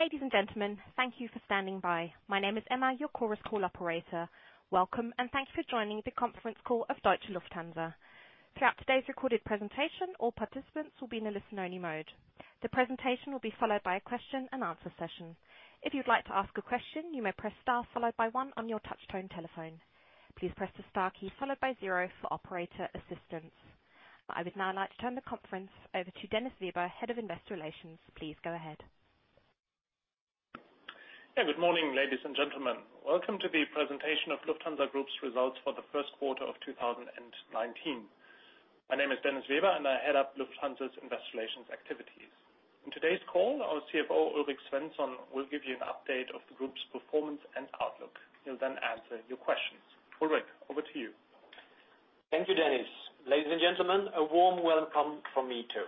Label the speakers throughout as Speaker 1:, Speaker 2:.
Speaker 1: Ladies and gentlemen, thank you for standing by. My name is Emma, your Chorus Call operator. Welcome, and thanks for joining the conference call of Deutsche Lufthansa. Throughout today's recorded presentation, all participants will be in a listen-only mode. The presentation will be followed by a question-and-answer session. If you'd like to ask a question, you may press star followed by one on your touch-tone telephone. Please press the star key followed by zero for operator assistance. I would now like to turn the conference over to Dennis Weber, Head of Investor Relations. Please go ahead.
Speaker 2: Good morning, ladies and gentlemen. Welcome to the presentation of Lufthansa Group's results for the first quarter of 2019. My name is Dennis Weber, I head up Lufthansa's investor relations activities. In today's call, our CFO, Ulrik Svensson, will give you an update of the group's performance and outlook. He'll answer your questions. Ulrik, over to you.
Speaker 3: Thank you, Dennis. Ladies and gentlemen, a warm welcome from me, too.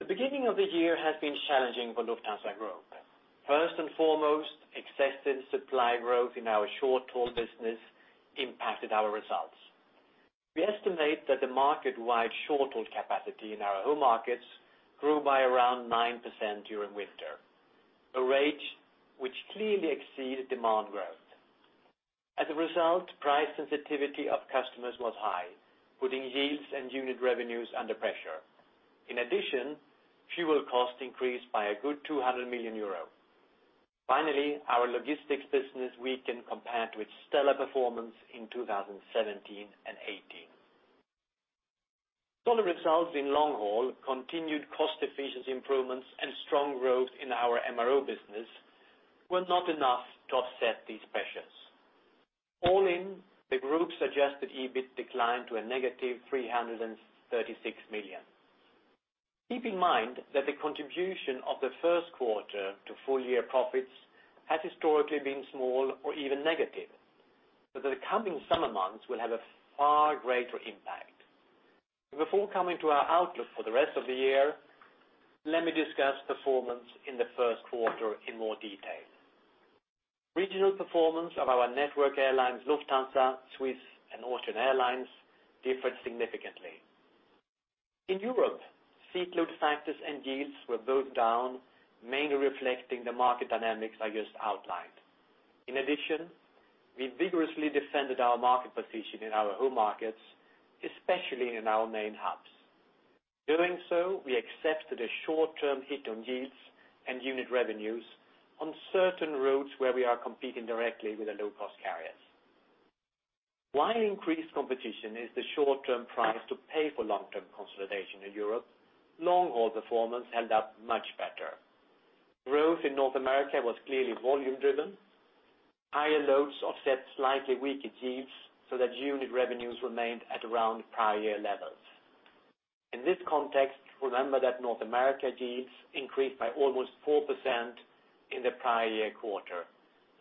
Speaker 3: The beginning of the year has been challenging for Lufthansa Group. First and foremost, excessive supply growth in our short-haul business impacted our results. We estimate that the market-wide short-haul capacity in our home markets grew by around 9% during winter, a rate which clearly exceeded demand growth. As a result, price sensitivity of customers was high, putting yields and unit revenues under pressure. In addition, fuel costs increased by a good 200 million euro. Finally, our logistics business weakened compared with stellar performance in 2017 and 2018. Solid results in long haul continued cost efficiency improvements and strong growth in our MRO business were not enough to offset these pressures. All in, the group suggested EBIT declined to a negative 336 million. Keep in mind that the contribution of the first quarter to full-year profits has historically been small or even negative, that the coming summer months will have a far greater impact. Before coming to our outlook for the rest of the year, let me discuss performance in the first quarter in more detail. Regional performance of our network airlines Lufthansa, Swiss, and Austrian Airlines differed significantly. In Europe, seat load factors and yields were both down, mainly reflecting the market dynamics I just outlined. In addition, we vigorously defended our market position in our home markets, especially in our main hubs. Doing so, we accepted a short-term hit on yields and unit revenues on certain routes where we are competing directly with the low-cost carriers. While increased competition is the short-term price to pay for long-term consolidation in Europe, long-haul performance held up much better. Growth in North America was clearly volume driven. Higher loads offset slightly weaker yields so that unit revenues remained at around prior year levels. In this context, remember that North America yields increased by almost 4% in the prior year quarter.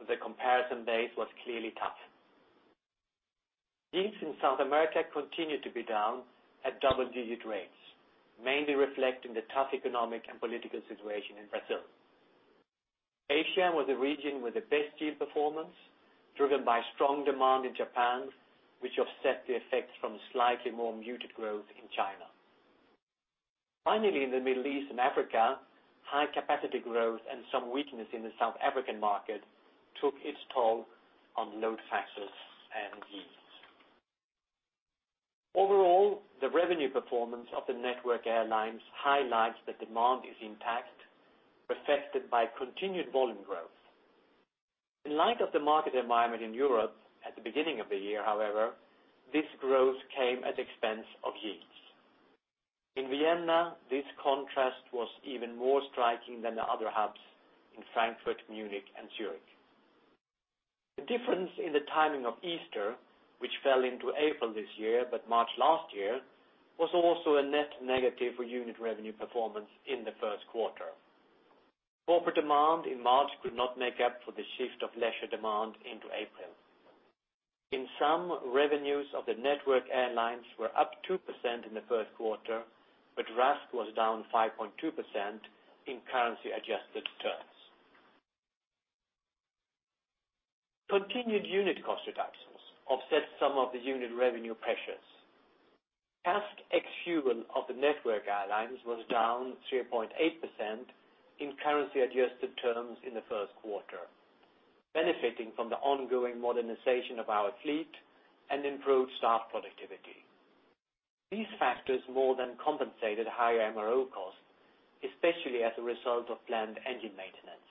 Speaker 3: The comparison base was clearly tough. Yields in South America continued to be down at double-digit rates, mainly reflecting the tough economic and political situation in Brazil. Asia was the region with the best yield performance, driven by strong demand in Japan, which offset the effects from slightly more muted growth in China. Finally, in the Middle East and Africa, high capacity growth and some weakness in the South African market took its toll on load factors and yields. Overall, the revenue performance of the network airlines highlights that demand is intact, affected by continued volume growth. In light of the market environment in Europe at the beginning of the year, however, this growth came at the expense of yields. In Vienna, this contrast was even more striking than the other hubs in Frankfurt, Munich, and Zurich. The difference in the timing of Easter, which fell into April this year but March last year, was also a net negative for unit revenue performance in the first quarter. Corporate demand in March could not make up for the shift of leisure demand into April. In sum, revenues of the network airlines were up 2% in the first quarter, but RASK was down 5.2% in currency-adjusted terms. Continued unit cost reductions offset some of the unit revenue pressures. CASK ex-fuel of the network airlines was down 3.8% in currency-adjusted terms in the first quarter, benefiting from the ongoing modernization of our fleet and improved staff productivity. These factors more than compensated higher MRO costs, especially as a result of planned engine maintenance.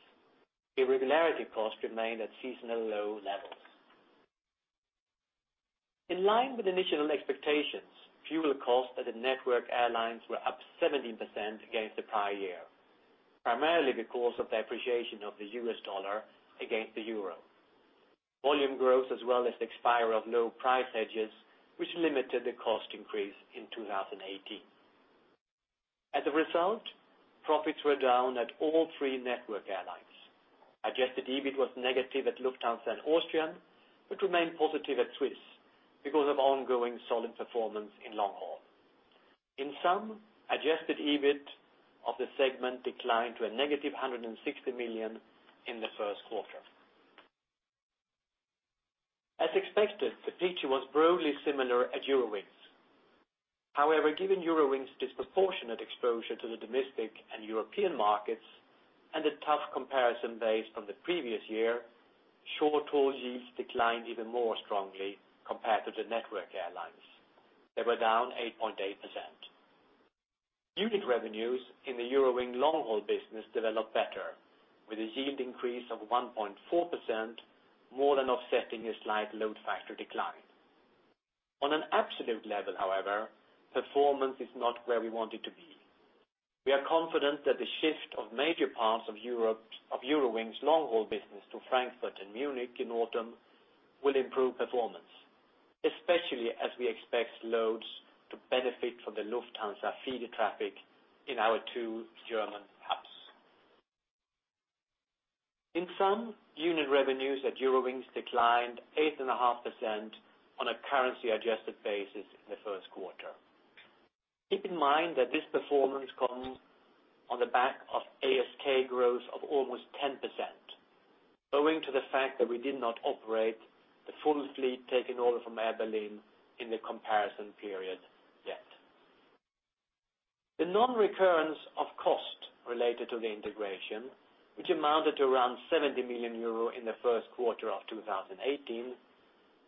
Speaker 3: Irregularity costs remained at seasonal low levels. In line with initial expectations, fuel costs at the network airlines were up 17% against the prior year, primarily because of the appreciation of the US dollar against the euro. Volume growth as well as the expiry of low price hedges, which limited the cost increase in 2018. As a result, profits were down at all three network airlines. Adjusted EBIT was negative at Lufthansa and Austrian, but remained positive at Swiss because of ongoing solid performance in long haul. In sum, adjusted EBIT of the segment declined to a negative 160 million in the first quarter. As expected, the picture was broadly similar at Eurowings. However, given Eurowings' disproportionate exposure to the domestic and European markets and a tough comparison base from the previous year, short-haul yields declined even more strongly compared to the network airlines. They were down 8.8%. Unit revenues in the Eurowings long-haul business developed better with a yield increase of 1.4%, more than offsetting a slight load factor decline. On an absolute level, however, performance is not where we want it to be. We are confident that the shift of major parts of Eurowings' long-haul business to Frankfurt and Munich in autumn will improve performance, especially as we expect loads to benefit from the Lufthansa feeder traffic in our two German hubs. In sum, unit revenues at Eurowings declined 8.5% on a currency adjusted basis in the first quarter. Keep in mind that this performance comes on the back of ASK growth of almost 10%, owing to the fact that we did not operate the full fleet taken over from Air Berlin in the comparison period yet. The non-recurrence of cost related to the integration, which amounted to around 70 million euro in the first quarter of 2018,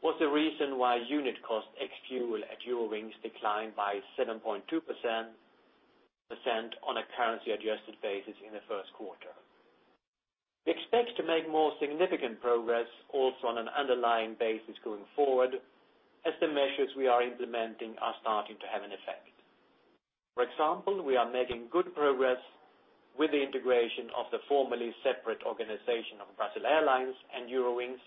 Speaker 3: was the reason why unit cost ex-fuel at Eurowings declined by 7.2% on a currency adjusted basis in the first quarter. We expect to make more significant progress also on an underlying basis going forward, as the measures we are implementing are starting to have an effect. For example, we are making good progress with the integration of the formerly separate organization of Brussels Airlines and Eurowings,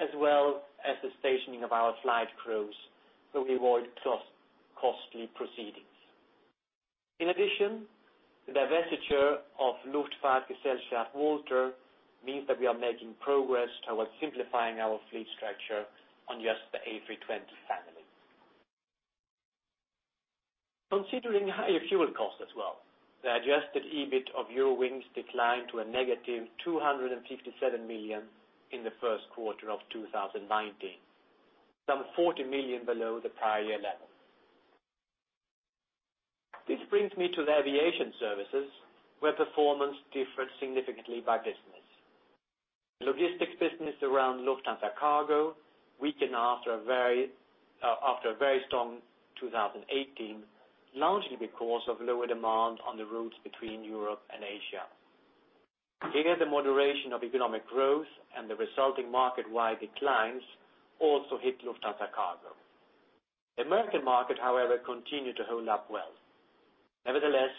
Speaker 3: as well as the stationing of our flight crews to avoid costly proceedings. The divestiture of Luftfahrtgesellschaft Walter means that we are making progress towards simplifying our fleet structure on just the A320 family. Considering higher fuel costs as well, the adjusted EBIT of Eurowings declined to a negative 257 million in the first quarter of 2019, some 40 million below the prior year level. This brings me to the aviation services, where performance differs significantly by business. Logistics business around Lufthansa Cargo weakened after a very strong 2018, largely because of lower demand on the routes between Europe and Asia. Here, the moderation of economic growth and the resulting market-wide declines also hit Lufthansa Cargo. The American market, however, continued to hold up well. Nevertheless,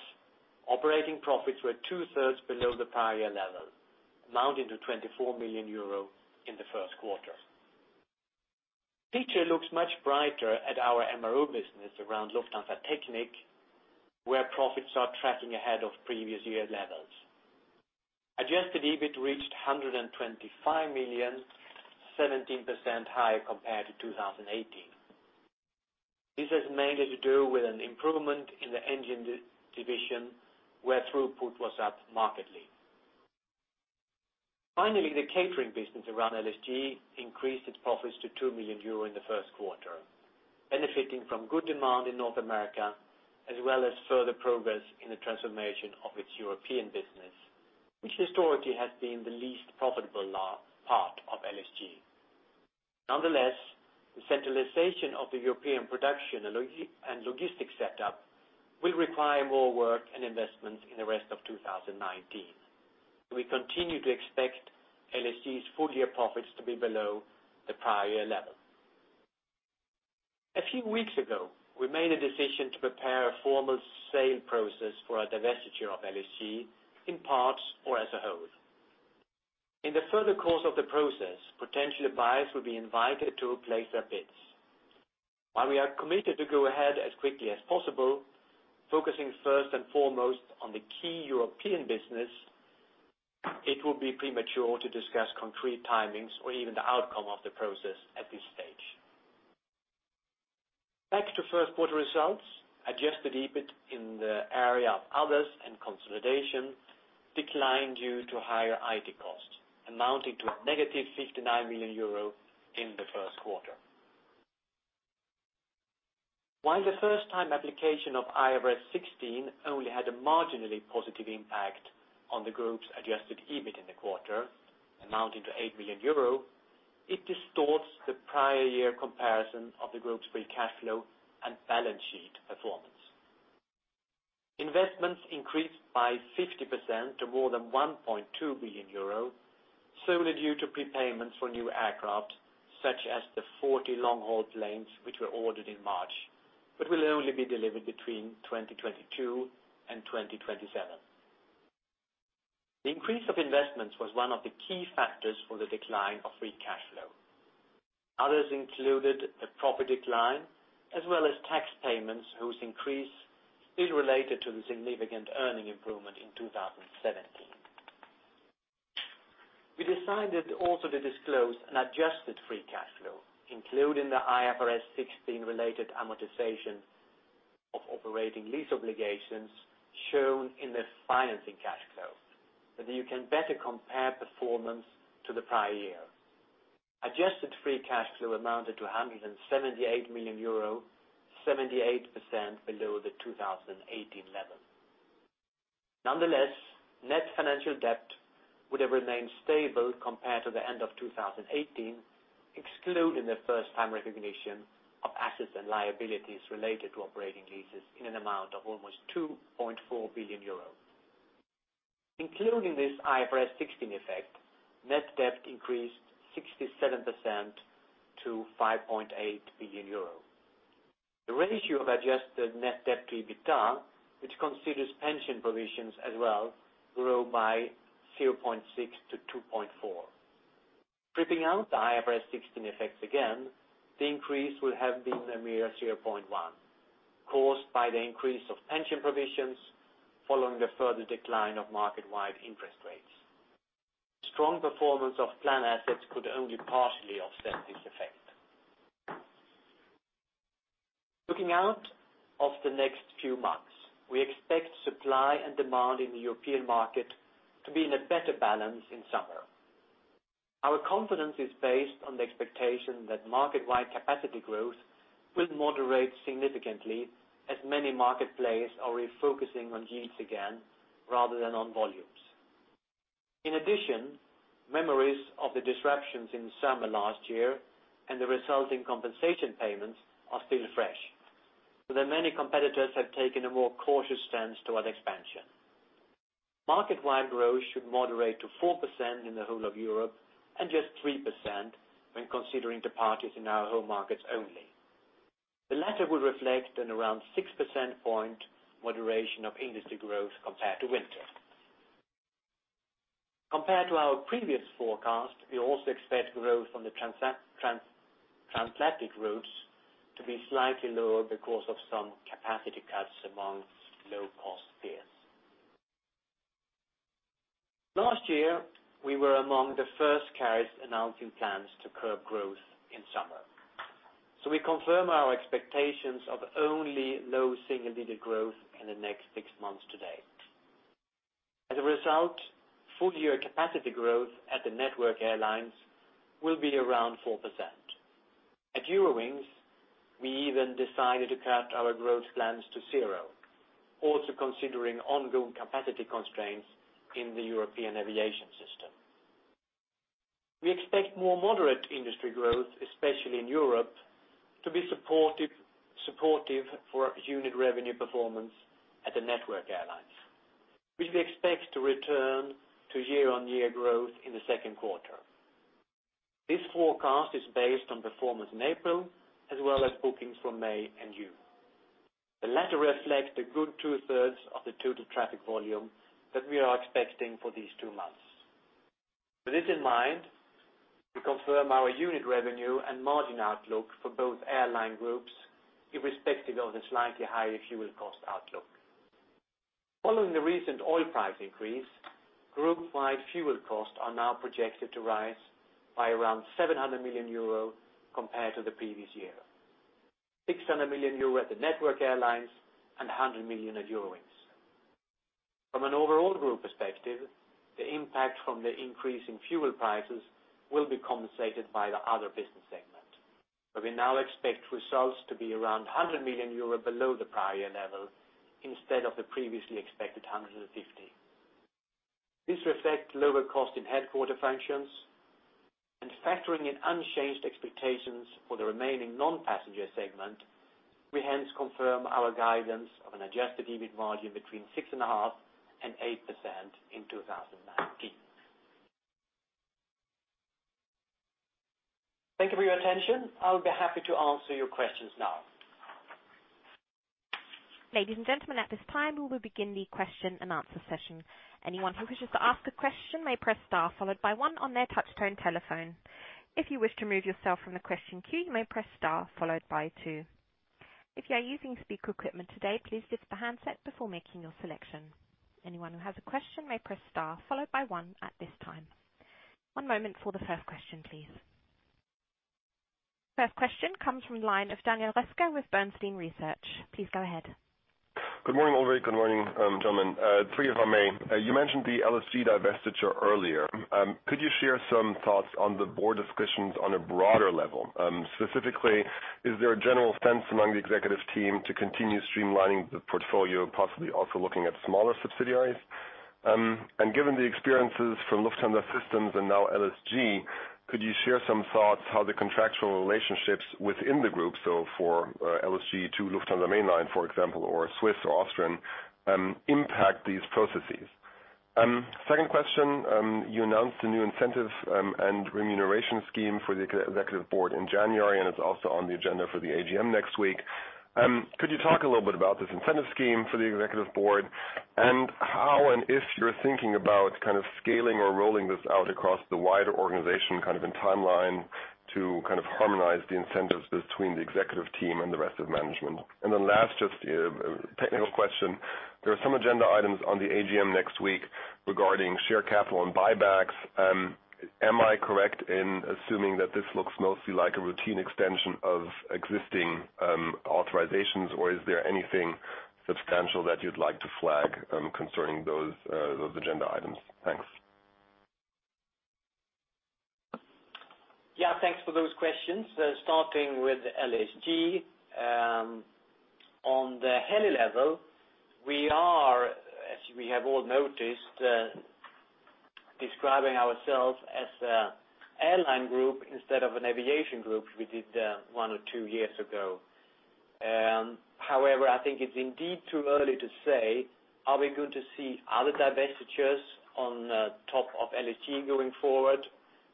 Speaker 3: operating profits were two-thirds below the prior year level, amounting to 24 million euro in the first quarter. Picture looks much brighter at our MRO business around Lufthansa Technik, where profits are tracking ahead of previous year levels. Adjusted EBIT reached 125 million, 17% higher compared to 2018. This has mainly to do with an improvement in the engine division, where throughput was up markedly. Finally, the catering business around LSG increased its profits to 2 million euro in the first quarter, benefiting from good demand in North America, as well as further progress in the transformation of its European business, which historically has been the least profitable part of LSG. Nonetheless, the centralization of the European production and logistics setup will require more work and investments in the rest of 2019. We continue to expect LSG's full-year profits to be below the prior year level. A few weeks ago, we made a decision to prepare a formal sale process for a divestiture of LSG in parts or as a whole. In the further course of the process, potential buyers will be invited to place their bids. While we are committed to go ahead as quickly as possible, focusing first and foremost on the key European business, it will be premature to discuss concrete timings or even the outcome of the process at this stage. Back to first quarter results, adjusted EBIT in the area of others and consolidation declined due to higher IT costs amounting to a negative 59 million euro in the first quarter. While the first time application of IFRS 16 only had a marginally positive impact on the group's adjusted EBIT in the quarter, amounting to 8 million euro, it distorts the prior year comparison of the group's free cash flow and balance sheet performance. Investments increased by 50% to more than 1.2 billion euro, solely due to prepayments for new aircraft such as the 40 long-haul planes, which were ordered in March, but will only be delivered between 2022 and 2027. The increase of investments was one of the key factors for the decline of free cash flow. Others included the profit decline, as well as tax payments, whose increase is related to the significant earning improvement in 2017. We decided also to disclose an adjusted free cash flow, including the IFRS 16 related amortization of operating lease obligations shown in the financing cash flow, that you can better compare performance to the prior year. Adjusted free cash flow amounted to 178 million euro, 78% below the 2018 level. Nonetheless, net financial debt would have remained stable compared to the end of 2018, excluding the first time recognition of assets and liabilities related to operating leases in an amount of almost 2.4 billion euros. Including this IFRS 16 effect, net debt increased 67% to 5.8 billion euro. The ratio of adjusted net debt to EBITDA, which considers pension provisions as well, grew by 0.6 to 2.4. Stripping out the IFRS 16 effects again, the increase would have been a mere 0.1, caused by the increase of pension provisions following the further decline of market-wide interest rates. Strong performance of plan assets could only partially offset this effect. Looking out of the next few months, we expect supply and demand in the European market to be in a better balance in summer. Our confidence is based on the expectation that market-wide capacity growth will moderate significantly as many market players are refocusing on yields again rather than on volumes. Memories of the disruptions in summer last year and the resulting compensation payments are still fresh. Many competitors have taken a more cautious stance toward expansion. Market-wide growth should moderate to 4% in the whole of Europe and just 3% when considering departures in our home markets only. The latter will reflect an around six percentage point moderation of industry growth compared to winter. Compared to our previous forecast, we also expect growth from the transatlantic routes to be slightly lower because of some capacity cuts among low-cost peers. Last year, we were among the first carriers announcing plans to curb growth in summer. We confirm our expectations of only low single-digit growth in the next six months today. Full year capacity growth at the network airlines will be around 4%. At Eurowings, we even decided to cut our growth plans to zero, also considering ongoing capacity constraints in the European aviation system. We expect more moderate industry growth, especially in Europe, to be supportive for unit revenue performance at the network airlines, which we expect to return to year-on-year growth in the second quarter. This forecast is based on performance in April, as well as bookings from May and June. The latter reflects a good two-thirds of the total traffic volume that we are expecting for these two months. With this in mind, we confirm our unit revenue and margin outlook for both airline groups, irrespective of the slightly higher fuel cost outlook. Following the recent oil price increase, group-wide fuel costs are now projected to rise by around 700 million euro compared to the previous year. 600 million euro at the network airlines and 100 million at Eurowings. From an overall group perspective, the impact from the increase in fuel prices will be compensated by the other business segment, where we now expect results to be around 100 million euro below the prior year level instead of the previously expected 150 million. This reflects lower cost in headquarter functions and factoring in unchanged expectations for the remaining non-passenger segment. We hence confirm our guidance of an adjusted EBIT margin between 6.5% and 8% in 2019. Thank you for your attention. I would be happy to answer your questions now.
Speaker 1: Ladies and gentlemen, at this time, we will begin the question and answer session. Anyone who wishes to ask a question may press star followed by one on their touch tone telephone. If you wish to remove yourself from the question queue, you may press star followed by two. If you are using speaker equipment today, please lift the handset before making your selection. Anyone who has a question may press star followed by one at this time. One moment for the first question, please. First question comes from the line of Daniel Roeska with Bernstein Research. Please go ahead.
Speaker 4: Good morning, Ulrik. Good morning, gentlemen. Three of our main. You mentioned the LSG divestiture earlier. Could you share some thoughts on the board discussions on a broader level? Specifically, is there a general sense among the executive team to continue streamlining the portfolio, possibly also looking at smaller subsidiaries? Given the experiences from Lufthansa Systems and now LSG, could you share some thoughts how the contractual relationships within the group, so for LSG to Lufthansa mainline, for example, or Swiss or Austrian, impact these processes? Second question. You announced a new incentive and remuneration scheme for the executive board in January, and it's also on the agenda for the AGM next week. Could you talk a little bit about this incentive scheme for the executive board and how, and if you're thinking about scaling or rolling this out across the wider organization, in timeline to harmonize the incentives between the executive team and the rest of management? Last, just a technical question. There are some agenda items on the AGM next week regarding share capital and buybacks. Am I correct in assuming that this looks mostly like a routine extension of existing authorizations, or is there anything substantial that you'd like to flag concerning those agenda items? Thanks.
Speaker 3: Yeah, thanks for those questions. Starting with LSG. On the overall level, we are, as we have all noticed, describing ourselves as an airline group instead of an aviation group as we did one or two years ago. However, I think it's indeed too early to say, are we going to see other divestitures on top of LSG going forward?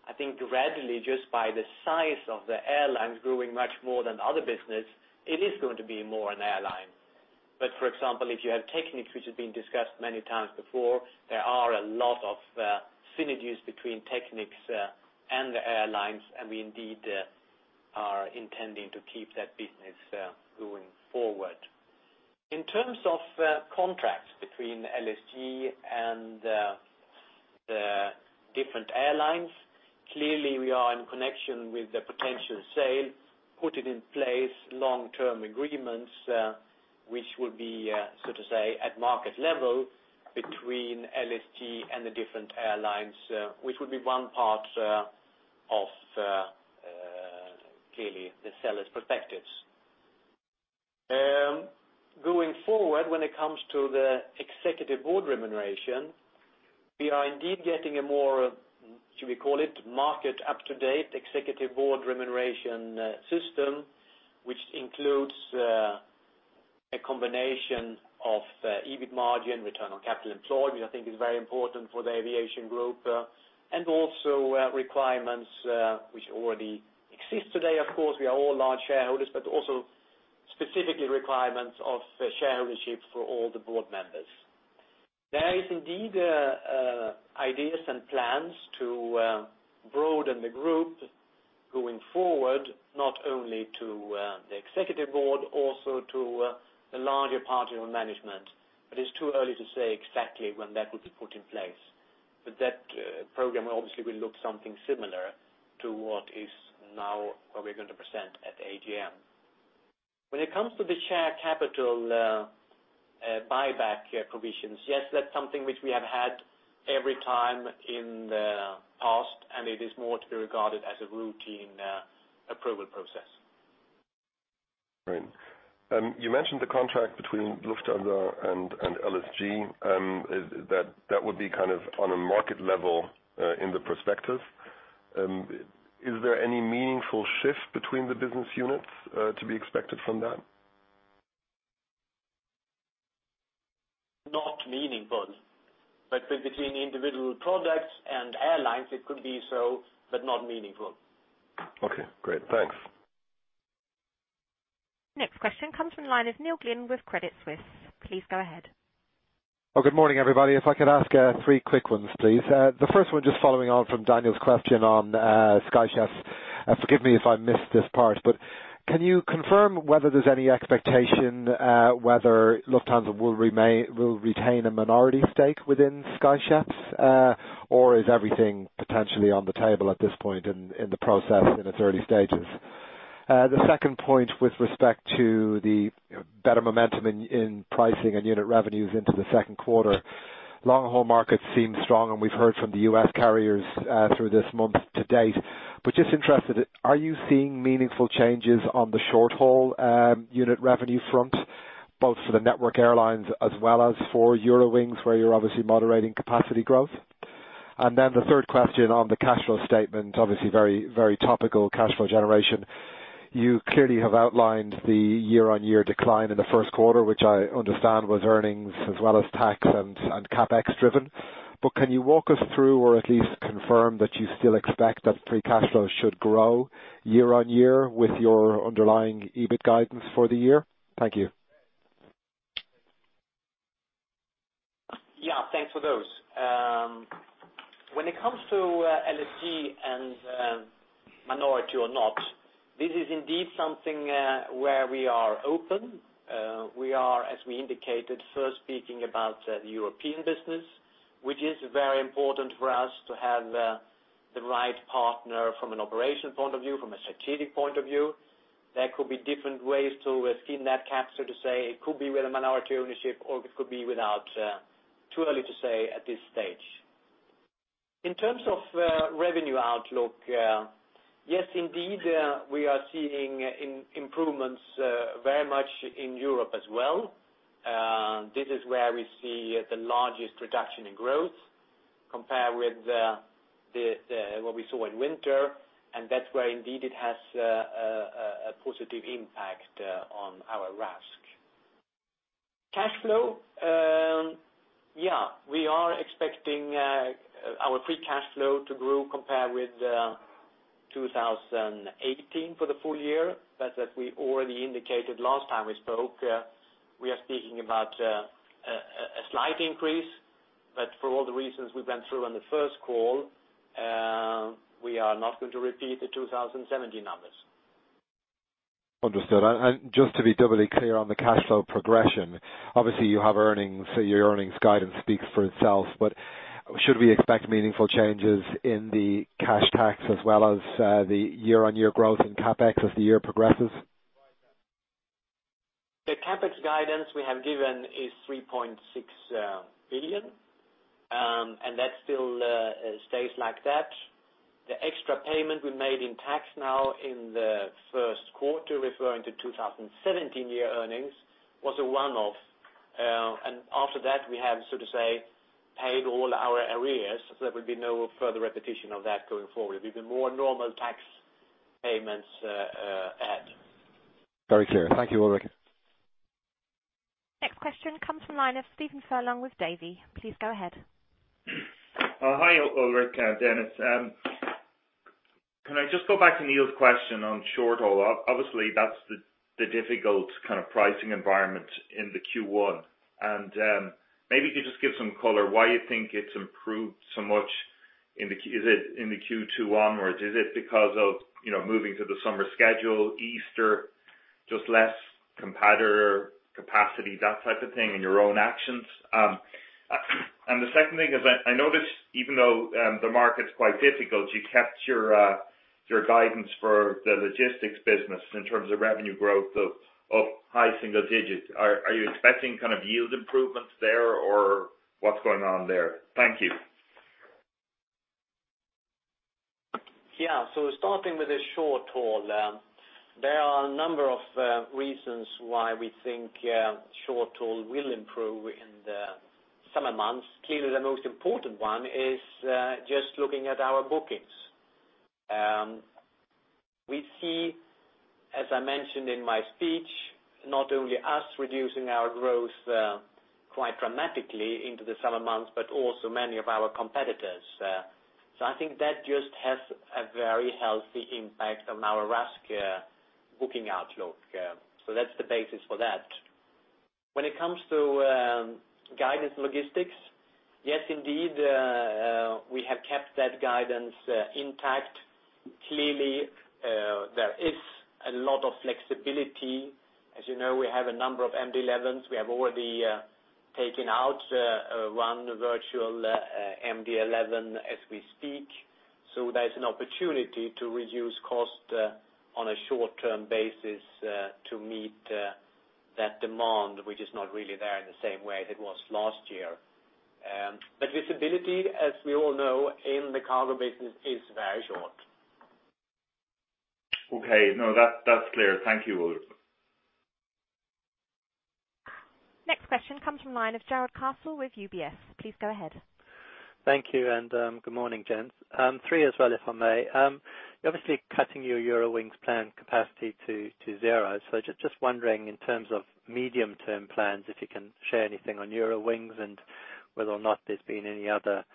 Speaker 3: I think gradually, just by the size of the airlines growing much more than other business, it is going to be more an airline. For example, if you have Technik, which has been discussed many times before, there are a lot of synergies between Technik and the airlines, and we indeed are intending to keep that business going forward. In terms of contracts between LSG and the different airlines, clearly we are in connection with the potential sale, putting in place long-term agreements which will be, so to say, at market level between LSG and the different airlines, which will be one part of, clearly, the seller's perspectives. Going forward, when it comes to the executive board remuneration, we are indeed getting a more, should we call it, market up-to-date executive board remuneration system, which includes a combination of EBIT margin, return on capital employed, which I think is very important for the aviation group, and also requirements which already exist today, of course. We are all large shareholders, but also specifically requirements of share ownership for all the board members. There is indeed ideas and plans to broaden the group going forward, not only to the executive board, also to the larger part of management. It's too early to say exactly when that will be put in place. That program will obviously look something similar to what we're going to present at the AGM. When it comes to the share capital buyback provisions, yes, that's something which we have had every time in the past, it is more to be regarded as a routine approval process.
Speaker 4: Right. You mentioned the contract between Lufthansa and LSG, that would be kind of on a market level in the prospectus. Is there any meaningful shift between the business units to be expected from that?
Speaker 3: Not meaningful. Between individual products and airlines, it could be so, but not meaningful.
Speaker 4: Okay, great. Thanks.
Speaker 1: Next question comes from the line of Neil Glynn with Credit Suisse. Please go ahead.
Speaker 5: Good morning, everybody. If I could ask three quick ones, please. The first one, just following on from Daniel's question on Sky Chefs, forgive me if I missed this part, but can you confirm whether there's any expectation whether Lufthansa will retain a minority stake within Sky Chefs? Or is everything potentially on the table at this point in the process in its early stages? The second point with respect to the better momentum in pricing and unit revenues into the second quarter. Long-haul markets seem strong, and we've heard from the U.S. carriers through this month to date. Just interested, are you seeing meaningful changes on the short-haul unit revenue front, both for the network airlines as well as for Eurowings, where you're obviously moderating capacity growth? The third question on the cash flow statement, obviously very topical cash flow generation. You clearly have outlined the year-on-year decline in the first quarter, which I understand was earnings as well as tax and CapEx driven. Can you walk us through or at least confirm that you still expect that free cash flow should grow year-on-year with your underlying EBIT guidance for the year? Thank you.
Speaker 3: Thanks for those. When it comes to LSG and minority or not, this is indeed something where we are open. We are, as we indicated first speaking about the European business, which is very important for us to have the right partner from an operations point of view, from a strategic point of view. There could be different ways to skin that cat, so to say. It could be with a minority ownership or it could be without. Too early to say at this stage. In terms of revenue outlook, yes, indeed, we are seeing improvements very much in Europe as well. This is where we see the largest reduction in growth compared with what we saw in winter, and that's where indeed it has a positive impact on our RASK. Cash flow. We are expecting our free cash flow to grow compared with 2018 for the full year. As we already indicated last time we spoke, we are speaking about a slight increase, but for all the reasons we went through on the first call. We are not going to repeat the 2017 numbers.
Speaker 5: Understood. Just to be doubly clear on the cash flow progression, obviously you have earnings. Your earnings guidance speaks for itself, but should we expect meaningful changes in the cash tax as well as the year-on-year growth in CapEx as the year progresses?
Speaker 3: The CapEx guidance we have given is 3.6 billion, that still stays like that. The extra payment we made in tax now in the first quarter, referring to 2017 year earnings, was a one-off. After that, we have, so to say, paid all our arrears. There will be no further repetition of that going forward. It will be more normal tax payments ahead.
Speaker 5: Very clear. Thank you, Ulrik.
Speaker 1: Next question comes from the line of Stephen Furlong with Davy. Please go ahead.
Speaker 6: Hi, Ulrik and Dennis. Can I just go back to Neil's question on short-haul? Obviously, that's the difficult pricing environment in the Q1. Maybe you could just give some color why you think it's improved so much in the Q2 onwards. Is it because of moving to the summer schedule, Easter, just less competitor capacity, that type of thing, and your own actions? The second thing is I noticed even though the market's quite difficult, you kept your guidance for the logistics business in terms of revenue growth of high single digits. Are you expecting yield improvements there, or what's going on there? Thank you.
Speaker 3: Starting with the short-haul, there are a number of reasons why we think short-haul will improve in the summer months. Clearly, the most important one is just looking at our bookings. We see, as I mentioned in my speech, not only us reducing our growth quite dramatically into the summer months, but also many of our competitors. I think that just has a very healthy impact on our RASK booking outlook. That's the basis for that. When it comes to guidance logistics, yes, indeed, we have kept that guidance intact. Clearly, there is a lot of flexibility. As you know, we have a number of MD-11s. We have already taken out one virtual MD-11 as we speak. There's an opportunity to reduce cost on a short-term basis to meet that demand, which is not really there in the same way it was last year. Visibility, as we all know, in the cargo business is very short.
Speaker 6: Okay. That's clear. Thank you, Ulrik.
Speaker 1: Next question comes from the line of Jarrod Castle with UBS. Please go ahead.
Speaker 7: Thank you, good morning, gents. Three as well, if I may. You're obviously cutting your Eurowings plan capacity to zero. Just wondering in terms of medium-term plans, if you can share anything on Eurowings and whether or not there's been any other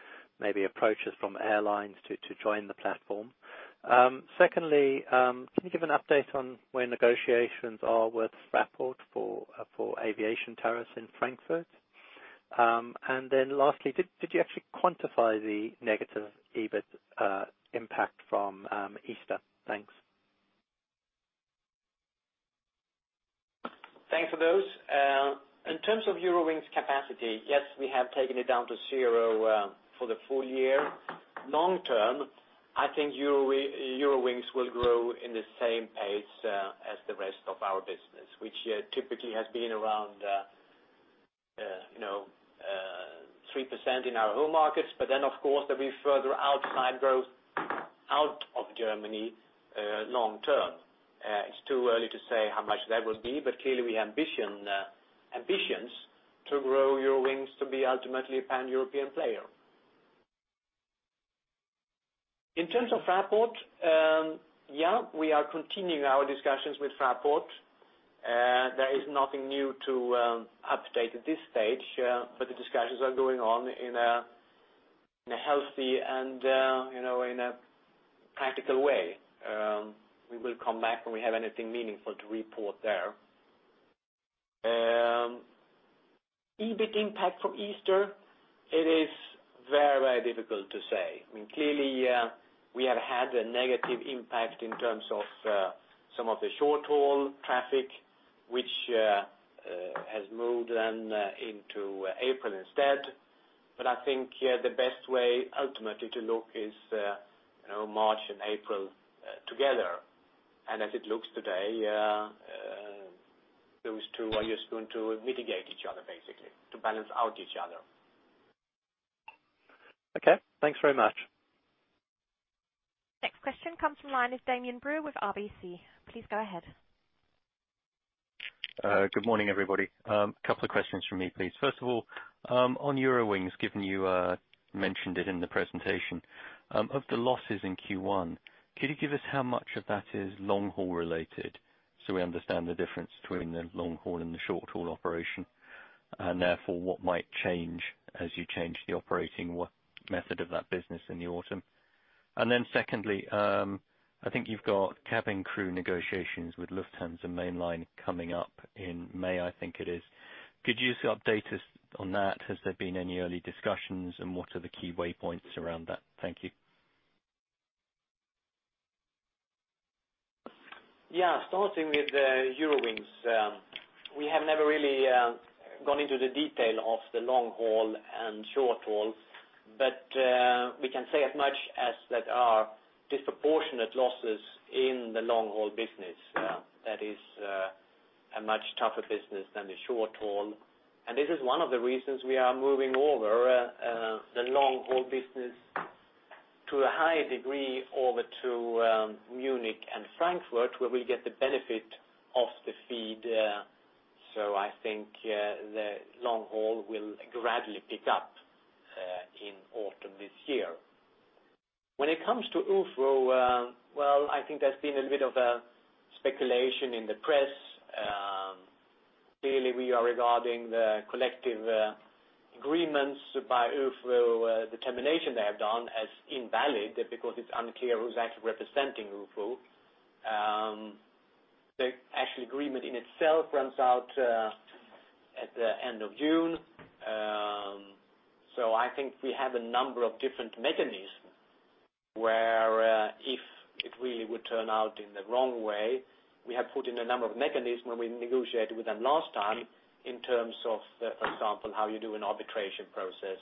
Speaker 7: maybe approaches from airlines to join the platform. Secondly, can you give an update on where negotiations are with Fraport for aviation tariffs in Frankfurt? Lastly, did you actually quantify the negative EBIT impact from Easter? Thanks.
Speaker 3: Thanks for those. In terms of Eurowings capacity, yes, we have taken it down to zero for the full year. Long term, I think Eurowings will grow in the same pace as the rest of our business, which typically has been around 3% in our home markets. Of course, there'll be further outside growth out of Germany long term. It's too early to say how much that will be, but clearly we ambitions to grow Eurowings to be ultimately a Pan-European player. In terms of Fraport, yeah, we are continuing our discussions with Fraport. There is nothing new to update at this stage, but the discussions are going on in a healthy and in a practical way. We will come back when we have anything meaningful to report there. EBIT impact from Easter, it is very difficult to say. I mean, clearly, we have had a negative impact in terms of some of the short-haul traffic, which has moved then into April instead. I think the best way ultimately to look is March and April together. As it looks today, those two are just going to mitigate each other, basically. To balance out each other.
Speaker 7: Okay. Thanks very much.
Speaker 1: Next question comes from the line of Damian Brewer with RBC. Please go ahead.
Speaker 8: Good morning, everybody. Couple of questions from me, please. First of all, on Eurowings, given you mentioned it in the presentation. Of the losses in Q1, could you give us how much of that is long-haul related so we understand the difference between the long-haul and the short-haul operation, and therefore what might change as you change the operating method of that business in the autumn? Secondly, I think you've got cabin crew negotiations with Lufthansa Mainline coming up in May, I think it is. Could you update us on that? Has there been any early discussions, and what are the key waypoints around that? Thank you.
Speaker 3: Yeah. Starting with the Eurowings. We have never really gone into the detail of the long-haul and short-haul, but we can say as much as that are disproportionate losses in the long-haul business. That is a much tougher business than the short-haul. This is one of the reasons we are moving over the long-haul business to a high degree over to Munich and Frankfurt, where we get the benefit of the feed. I think the long-haul will gradually pick up in autumn this year. When it comes to UFO, well, I think there's been a bit of a speculation in the press. Clearly, we are regarding the collective agreements by UFO, the termination they have done as invalid because it's unclear who's actually representing UFO. The actual agreement in itself runs out at the end of June. I think we have a number of different mechanisms where if it really would turn out in the wrong way, we have put in a number of mechanisms when we negotiated with them last time in terms of, for example, how you do an arbitration process.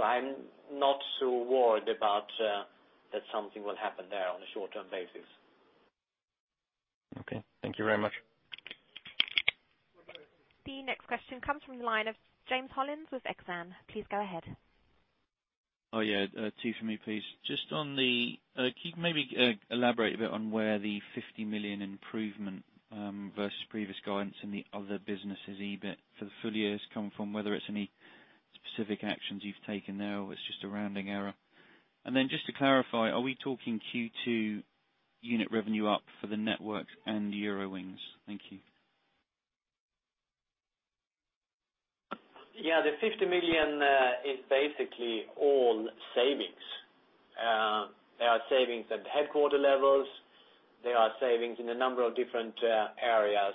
Speaker 3: I am not so worried about that something will happen there on a short-term basis.
Speaker 8: Okay. Thank you very much.
Speaker 1: The next question comes from the line of James Hollins with Exane. Please go ahead.
Speaker 9: Yeah. Two for me, please. Can you maybe elaborate a bit on where the 50 million improvement, versus previous guidance in the other business's EBIT for the full year is coming from, whether it is any specific actions you have taken there or it is just a rounding error. Just to clarify, are we talking Q2 unit revenue up for the network and Eurowings? Thank you.
Speaker 3: Yeah, the 50 million is basically all savings. There are savings at the headquarter levels, there are savings in a number of different areas.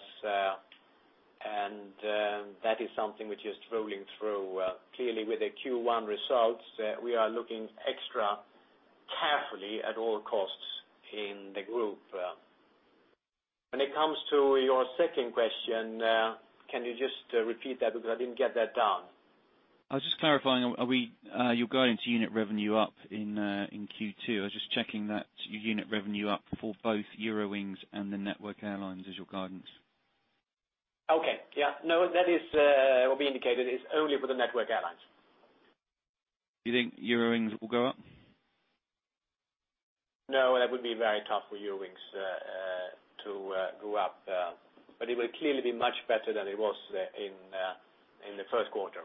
Speaker 3: That is something which is rolling through. Clearly with the Q1 results, we are looking extra carefully at all costs in the group. When it comes to your second question, can you just repeat that because I didn't get that down?
Speaker 9: I was just clarifying, your guidance unit revenue up in Q2. I was just checking that your unit revenue up for both Eurowings and the Network Airlines is your guidance.
Speaker 3: Okay. Yeah. No. What we indicated is only for the Network Airlines.
Speaker 9: Do you think Eurowings will go up?
Speaker 3: That would be very tough for Eurowings to go up. It will clearly be much better than it was in the first quarter.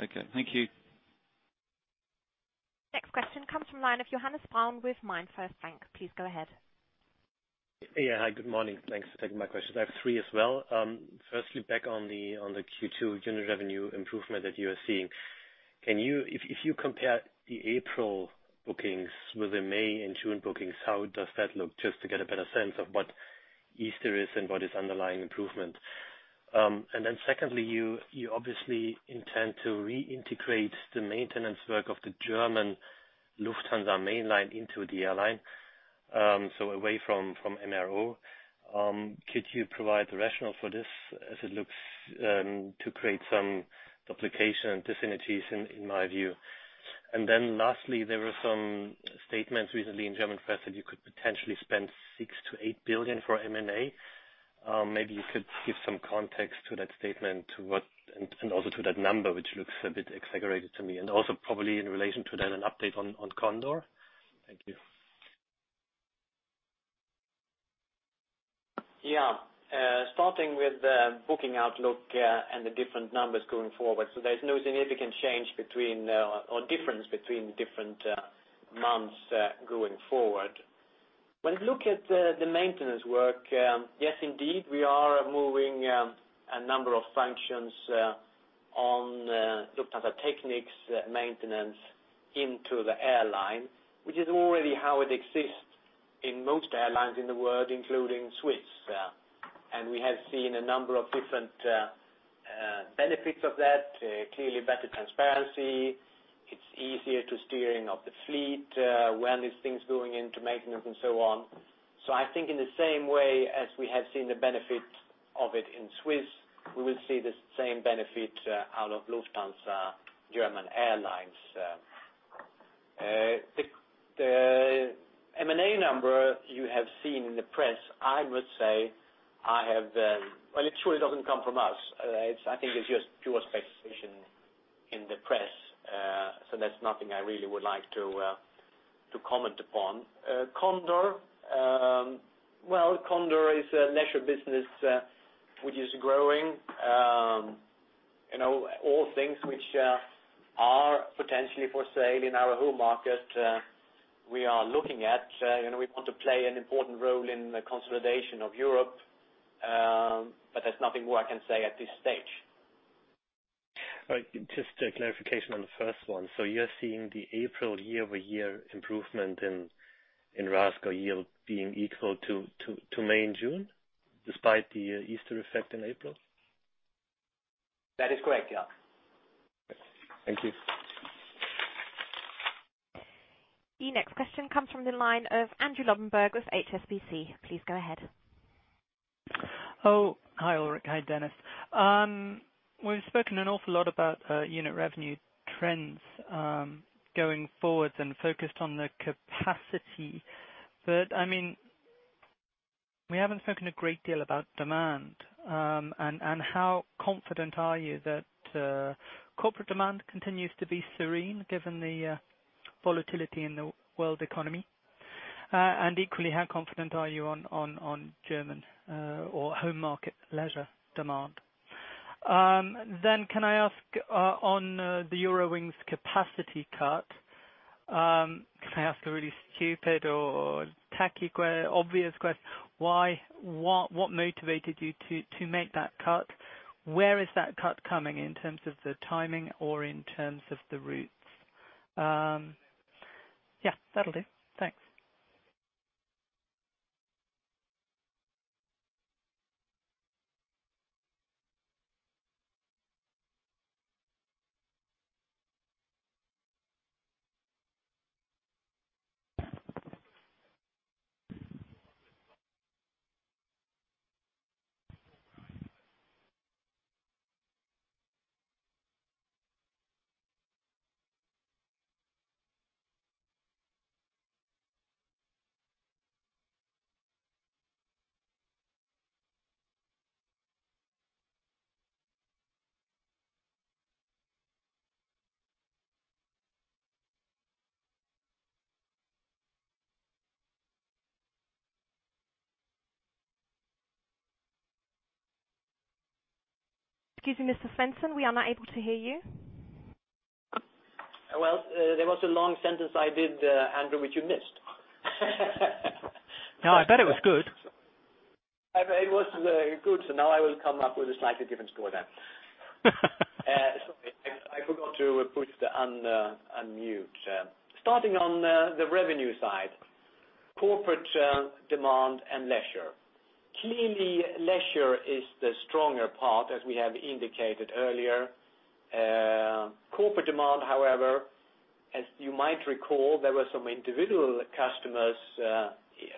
Speaker 9: Okay. Thank you.
Speaker 1: Next question comes from line of Johannes Braun with MainFirst Bank. Please go ahead.
Speaker 10: Hi, good morning. Thanks for taking my questions. I have three as well. Firstly, back on the Q2 unit revenue improvement that you are seeing. If you compare the April bookings with the May and June bookings, how does that look? Just to get a better sense of what Easter is and what is underlying improvement. Secondly, you obviously intend to reintegrate the maintenance work of the German Lufthansa Mainline into the airline, so away from MRO. Could you provide the rationale for this as it looks to create some duplication and dyssynergies in my view? Lastly, there were some statements recently in German press that you could potentially spend 6 billion-8 billion for M&A. Maybe you could give some context to that statement and also to that number, which looks a bit exaggerated to me, and also probably in relation to then an update on Condor. Thank you.
Speaker 3: Yeah. Starting with the booking outlook and the different numbers going forward. There's no significant change between or difference between the different months going forward. When you look at the maintenance work, yes, indeed, we are moving a number of functions on Lufthansa Technik's maintenance into the airline, which is already how it exists in most airlines in the world, including Swiss. We have seen a number of different benefits of that. Clearly better transparency, it's easier to steering of the fleet, when these things going into maintenance and so on. I think in the same way as we have seen the benefit of it in Swiss, we will see the same benefit out of Lufthansa German Airlines. The M&A number you have seen in the press, I would say, well, it surely doesn't come from us. I think it's just pure speculation in the press. That's nothing I really would like to comment upon. Condor. Well, Condor is a leisure business, which is growing. All things which are potentially for sale in our home market, we are looking at. We want to play an important role in the consolidation of Europe. There's nothing more I can say at this stage.
Speaker 10: Just a clarification on the first one. You are seeing the April year-over-year improvement in RASM yield being equal to May and June, despite the Easter effect in April?
Speaker 3: That is correct, yeah.
Speaker 10: Thank you.
Speaker 1: The next question comes from the line of Andrew Lobbenberg with HSBC. Please go ahead.
Speaker 11: Hi Ulrik. Hi Dennis. We've spoken an awful lot about unit revenue trends going forwards and focused on the capacity. We haven't spoken a great deal about demand. How confident are you that corporate demand continues to be serene given the volatility in the world economy? Equally, how confident are you on German or home market leisure demand? Can I ask on the Eurowings capacity cut, can I ask a really stupid or tacky obvious question? What motivated you to make that cut? Where is that cut coming in terms of the timing or in terms of the routes? Yeah, that'll do. Thanks.
Speaker 1: Excuse me, Mr. Svensson, we are not able to hear you.
Speaker 3: Well, there was a long sentence I did, Andrew, which you missed.
Speaker 11: No, I bet it was good.
Speaker 3: It was good. Now I will come up with a slightly different score then. Sorry, I forgot to push the unmute. Starting on the revenue side, corporate demand and leisure. Clearly, leisure is the stronger part, as we have indicated earlier. Corporate demand, however, as you might recall, there were some individual customers,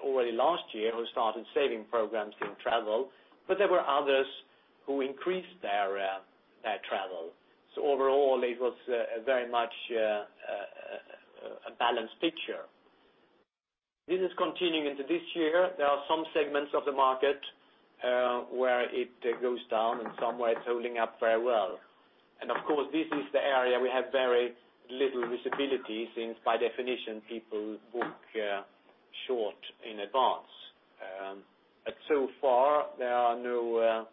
Speaker 3: already last year, who started saving programs in travel, but there were others who increased their travel. Overall, it was very much a balanced picture. This is continuing into this year. There are some segments of the market where it goes down and somewhere it's holding up very well. Of course, this is the area we have very little visibility since, by definition, people book short in advance. So far, there are no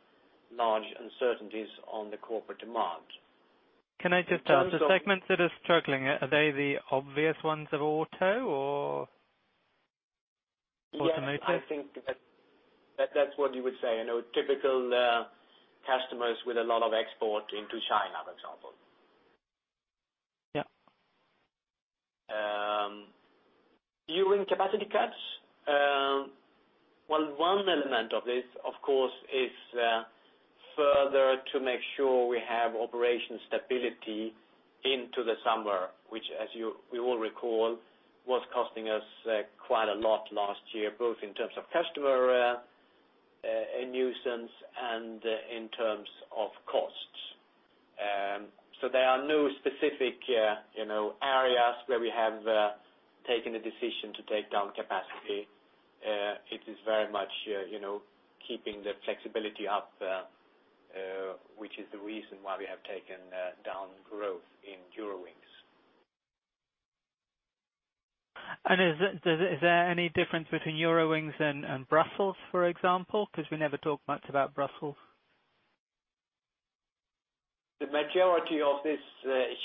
Speaker 3: large uncertainties on the corporate demand.
Speaker 11: Can I just ask, the segments that are struggling, are they the obvious ones of auto or automotive?
Speaker 3: Yeah, I think that's what you would say. I know typical customers with a lot of export into China, for example.
Speaker 11: Yeah.
Speaker 3: Eurowings capacity cuts. Well, one element of this, of course, is further to make sure we have operation stability into the summer, which, as we all recall, was costing us quite a lot last year, both in terms of customer nuisance and in terms of costs. There are no specific areas where we have taken a decision to take down capacity. It is very much keeping the flexibility up, which is the reason why we have taken down growth in Eurowings.
Speaker 11: Is there any difference between Eurowings and Brussels, for example? We never talk much about Brussels.
Speaker 3: The majority of this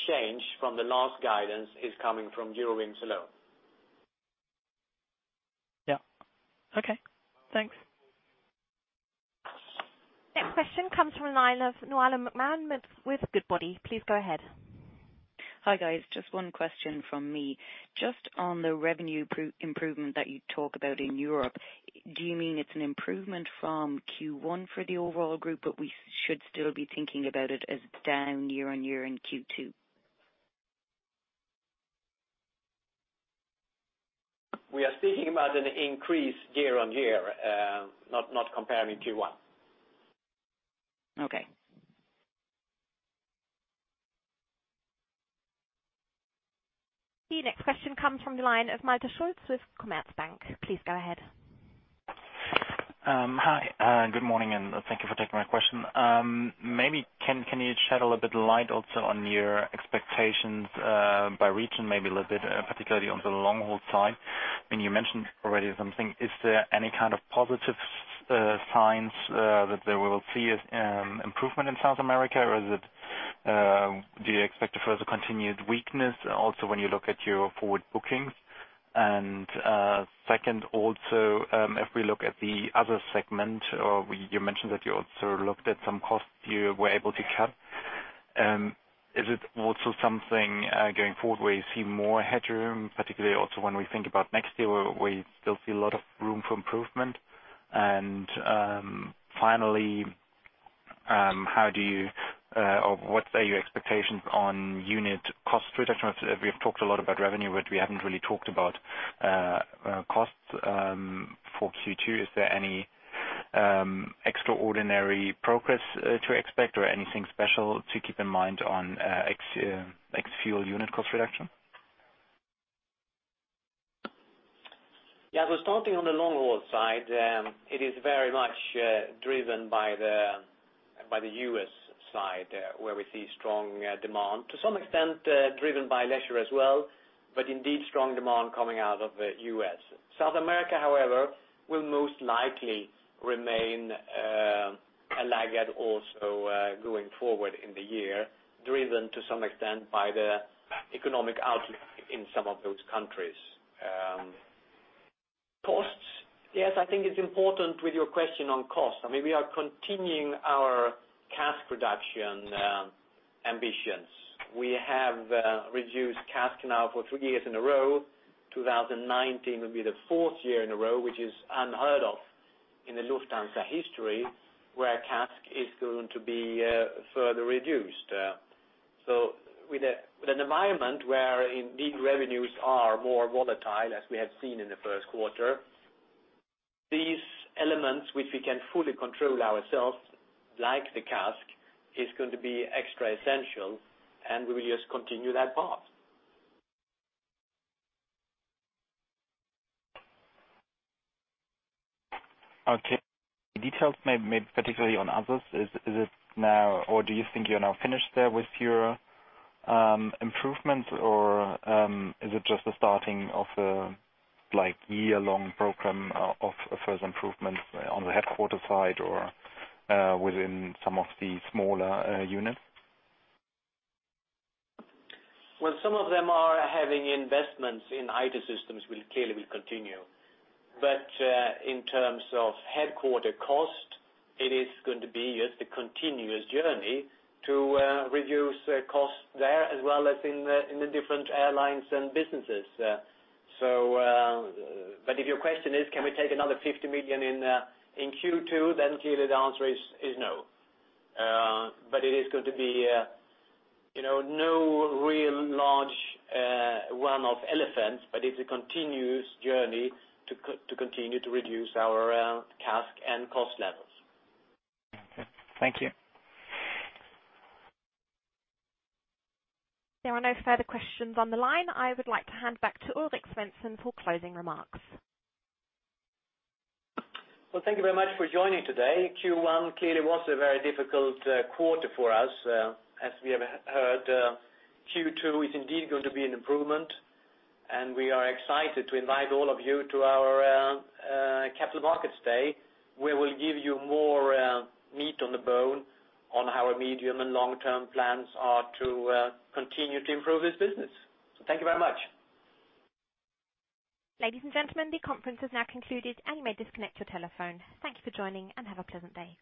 Speaker 3: change from the last guidance is coming from Eurowings alone.
Speaker 11: Yeah. Okay. Thanks.
Speaker 1: Next question comes from the line of Niamh McMahon with Goodbody. Please go ahead.
Speaker 12: Hi, guys. Just one question from me. Just on the revenue improvement that you talk about in Europe, do you mean it's an improvement from Q1 for the overall group, but we should still be thinking about it as down year-on-year in Q2?
Speaker 3: We are speaking about an increase year-over-year, not comparing Q1.
Speaker 12: Okay.
Speaker 1: The next question comes from the line of Malte Schulz with Commerzbank. Please go ahead.
Speaker 13: Hi, good morning, and thank you for taking my question. Maybe can you shed a little bit of light also on your expectations by region, maybe a little bit, particularly on the long-haul side? I mean, you mentioned already something. Is there any kind of positive signs that there we will see an improvement in South America? Do you expect a further continued weakness also when you look at your forward bookings? Second also, if we look at the other segment, you mentioned that you also looked at some costs you were able to cut. Is it also something going forward where you see more headroom, particularly also when we think about next year, we still see a lot of room for improvement. Finally, what are your expectations on unit cost reduction? We have talked a lot about revenue, but we haven't really talked about costs for Q2. Is there any extraordinary progress to expect or anything special to keep in mind on ex fuel unit cost reduction?
Speaker 3: Starting on the long-haul side, it is very much driven by the U.S. side where we see strong demand. To some extent, driven by leisure as well, but indeed strong demand coming out of the U.S. South America, however, will most likely remain a laggard also going forward in the year, driven to some extent by the economic outlook in some of those countries. Costs. Yes, I think it's important with your question on cost. I mean, we are continuing our CASK reduction ambitions. We have reduced CASK now for two years in a row. 2019 will be the fourth year in a row, which is unheard of in the Lufthansa history, where CASK is going to be further reduced. With an environment where indeed revenues are more volatile, as we have seen in the first quarter, these elements which we can fully control ourselves, like the CASK, is going to be extra essential. We will just continue that path.
Speaker 13: Details maybe particularly on others. Is it now, or do you think you're now finished there with your improvements or is it just the starting of a year-long program of further improvements on the headquarter side or within some of the smaller units?
Speaker 3: Some of them are having investments in IT systems will clearly continue. In terms of headquarter cost, it is going to be just a continuous journey to reduce cost there as well as in the different airlines and businesses. If your question is, can we take another 50 million in Q2? Clearly the answer is no. It is going to be no real large one-off elephants, but it's a continuous journey to continue to reduce our CASK and cost levels.
Speaker 13: Okay. Thank you.
Speaker 1: There are no further questions on the line. I would like to hand back to Ulrik Svensson for closing remarks.
Speaker 3: Well, thank you very much for joining today. Q1 clearly was a very difficult quarter for us. As we have heard Q2 is indeed going to be an improvement, we are excited to invite all of you to our Capital Markets Day, where we will give you more meat on the bone on our medium and long-term plans are to continue to improve this business. Thank you very much.
Speaker 1: Ladies and gentlemen, the conference is now concluded and you may disconnect your telephone. Thank you for joining and have a pleasant day. Goodbye